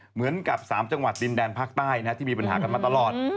เหมือนกับ๓จังหวัดดินแดนภาคใต้ที่มีปัญหากันมาตลอด